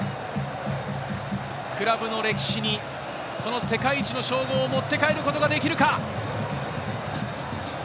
クラブの歴史にその世界一の称号を持って帰ることができるか？